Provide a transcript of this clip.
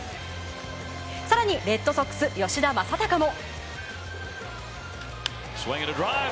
更にレッドソックス、吉田正尚も。